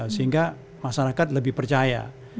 sehingga masyarakat lebih percaya